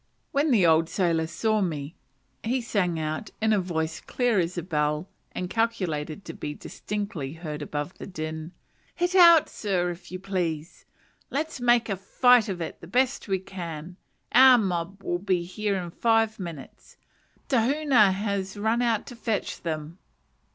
When the old sailor saw me, he "sang out," in a voice clear as a bell, and calculated to be distinctly heard above the din: "Hit out, sir, if you please; let's make a fight of it the best we can; our mob will be here in five minutes; Tahuna has run to fetch them."